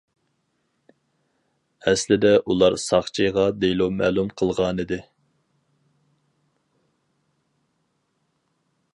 ئەسلىدە ئۇلار ساقچىغا دېلو مەلۇم قىلغانىدى.